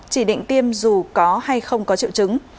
chỉ định tiêm dù có hay không có triệu chứng